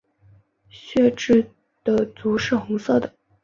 血雉的足是红色的。